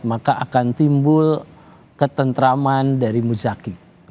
maka akan timbul ketentraman dari muzaki